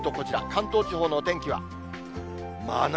関東地方のお天気は、真夏。